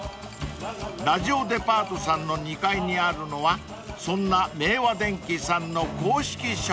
［ラジオデパートさんの２階にあるのはそんな明和電機さんの公式ショップ］